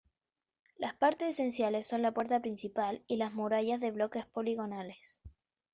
Las partes esenciales son la puerta principal y las murallas de bloques poligonales.